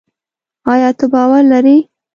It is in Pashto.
ایا ته باور لري؟